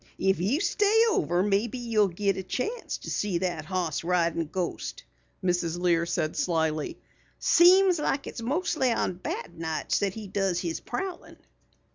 "If you stay over maybe you'll git a chance to see that hoss ridin' ghost," Mrs. Lear said slyly. "Seems like it's mostly on bad nights that he does his prowlin'."